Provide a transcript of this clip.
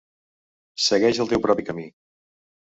Segueix el teu propi camí.